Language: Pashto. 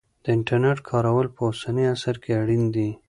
د انټرنیټ کارول په اوسني عصر کې اړین دی.